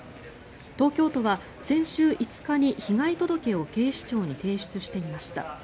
東京都は先週５日に被害届を警視庁に提出していました。